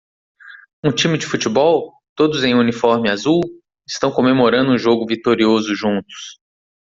Um time de futebol? todos em uniforme azul? estão comemorando um jogo vitorioso juntos.